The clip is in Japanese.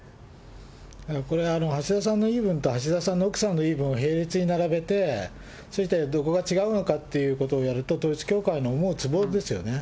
これは橋田さんの言い分と、橋田さんの奥さんの言い分を並列に並べて、そしてどこが違うのかっていうことをやると、統一教会の思うつぼですよね。